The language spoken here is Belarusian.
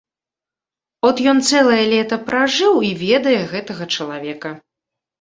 От ён цэлае лета пражыў і ведае гэтага чалавека.